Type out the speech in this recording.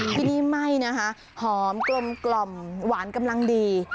ที่นี่ไหม้นะคะหอมกลมหวานกำลังดี